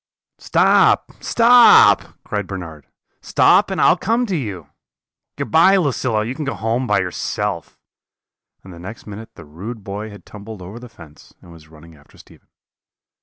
"'Stop, stop!' cried Bernard; 'stop and I will come to you. Good bye, Lucilla, you can go home by yourself;' and the next minute the rude boy had tumbled over the fence, and was running after Stephen.